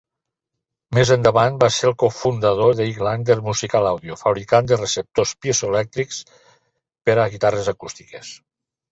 Més endavant va ser el cofundador de Highlander Musical Audio, fabricant de receptors piezoelèctrics per a guitarres acústiques.